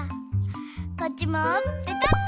こっちもペタッと。